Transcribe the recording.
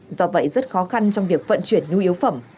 do vậy rất khó khăn trong việc vận chuyển nhu yếu phẩm